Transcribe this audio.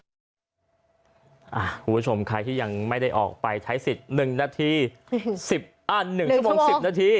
คุณผู้ชมใครที่ยังไม่ได้ออกไปใช้สิทธิ์๑นาที๑ชั่วโมง๑๐นาที